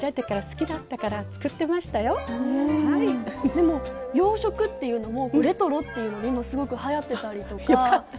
でも洋食っていうのもレトロっていうので今すごくはやってたりとか。よかった。